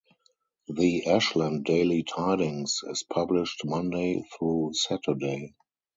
The "Ashland Daily Tidings" is published Monday through Saturday.